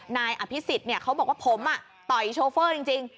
นายอภิษฎเขาบอกว่าผมต่อยโชเฟอร์จริง